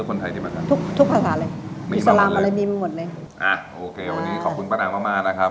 เยอะค่ะเยอะทุกภาษาเลยอิสลามอะไรมันมีหมดเลยอ่ะโอเควันนี้ขอบคุณป้านอาวุธมากนะครับ